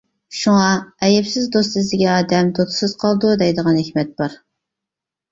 شۇڭا «ئەيىبسىز دوست ئىزدىگەن ئادەم دوستسىز قالىدۇ» دەيدىغان ھېكمەت بار.